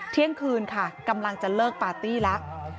เที่ยงคืนค่ะกำลังจะเลิกปาร์ตี้แล้ว